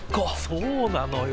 そうなのよ。